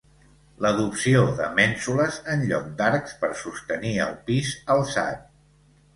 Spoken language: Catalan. L'adopció de mènsules en lloc d'arcs per sostenir el pis alçat.